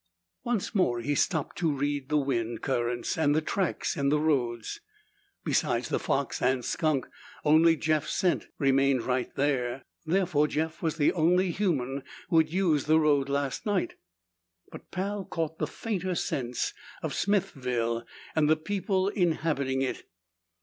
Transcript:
Once more he stopped to read the wind currents and the tracks in the road. Besides the fox and skunk, only Jeff's scent remained right there. Therefore Jeff was the only human who had used the road last night. But Pal caught the fainter scents of Smithville and the people inhabiting it.